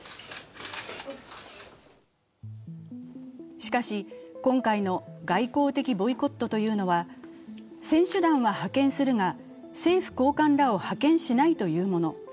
しかし、今回の外交的ボイコットというのは選手団は派遣するが政府高官らを派遣しないというもの。